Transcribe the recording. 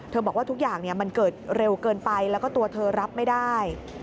บอกว่าทุกอย่างมันเกิดเร็วเกินไปแล้วก็ตัวเธอรับไม่ได้